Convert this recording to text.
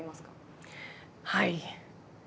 はい。